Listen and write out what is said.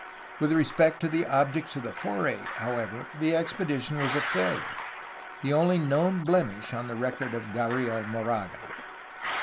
With respect to the objects of the foray, however, the expedition was a failure, — the only known blemish on the record of Gabriel Moraga.